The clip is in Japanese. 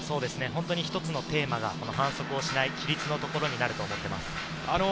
一つのテーマが反則をしない規律のところになると思っています。